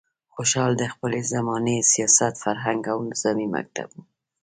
خوشحال د خپلې زمانې سیاست، فرهنګ او نظامي مکتب و.